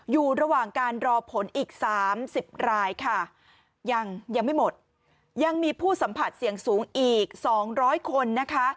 อยู่ระหว่างการรอผลอีก๓๐รายค่ะยังยังไม่หมดยังมีผู้สัมผัสเสี่ยงสูงอีก๒๐๐คนนะคะ